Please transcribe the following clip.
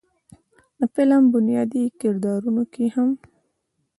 د فلم بنيادي کردارونو کښې هم